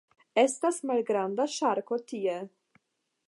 Estas malgranda ŝarko tie.